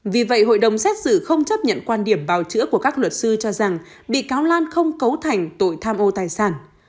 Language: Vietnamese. vì vậy hội đồng xét xử không chấp nhận quan điểm bào chữa của các luật sư cho rằng bị cáo lan không cấu thành tội tham ô tài sản